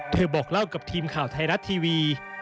บอกเล่ากับทีมข่าวไทยรัฐทีวี